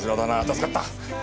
助かった。